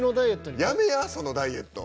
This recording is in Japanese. やめやそのダイエット。